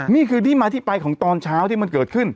นี่คือมัธิใบของตอนเช้าที่มันเกิดขึ้น